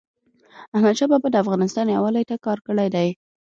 احمدشاه بابا د افغانستان یووالي ته کار کړی دی.